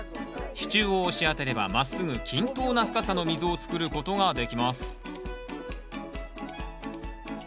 支柱を押し当てればまっすぐ均等な深さの溝を作ることができます